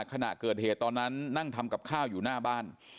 ขณะเกิดเหตุตอนนั้นนั่งทำกับข้าวอยู่หน้าบ้าน